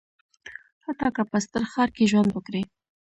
حتی که په ستر ښار کې ژوند وکړي.